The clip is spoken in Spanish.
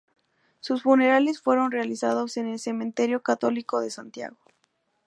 Sus funerales fueron realizados en el Cementerio Católico de Santiago.